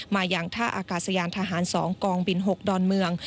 มาอย่างท่าอากาศยานทหาร๒กองบิน๖ดอนเมือง